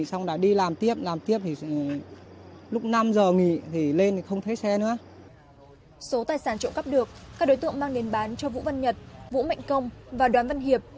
số tài sản trộm cắp được các đối tượng mang đến bán cho vũ văn nhật vũ mạnh công và đoàn văn hiệp